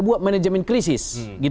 buat manajemen krisis